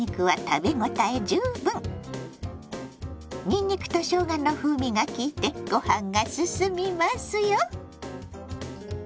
にんにくとしょうがの風味がきいてごはんがすすみますよ！